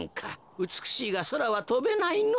うつくしいがそらはとべないのぉ。